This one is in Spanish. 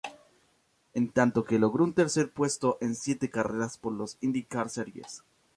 En tanto que logró un tercero puesto en siete carreras por la IndyCar Series.